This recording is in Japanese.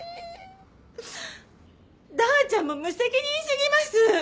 ダーちゃんも無責任すぎます！